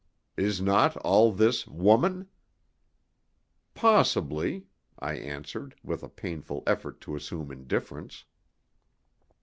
Is not all this woman?" "Possibly," I answered, with a painful effort to assume indifference.